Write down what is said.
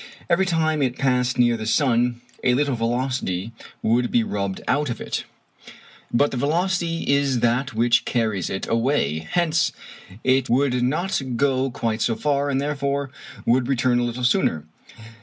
Every time it passed near the sun a little velocity would be rubbed out of it. But the velocity is that which carries it away, hence it would not go quite so far, and therefore would return a little sooner.